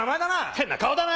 変な顔だな！